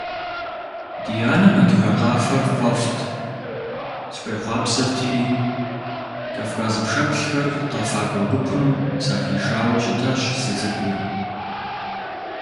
Ди анэм адыгэ къафэр фӀэфӀт, схуехъуапсэрти, «Кавказ пшэплъхэр» къэфакӀуэ гупым сахишауэ щытащ сыцӀыкӀуу.